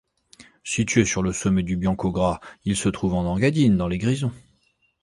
Situé sur le sommet du Biancograt il se trouve en Engadine dans les Grisons.